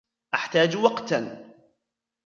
أحتاج وقتا.